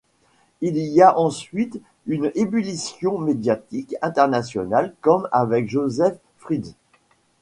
Il y a ensuite une ébullition médiatique internationale comme avec Josef Fritzl.